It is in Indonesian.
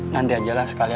nanti aja lah sekali aja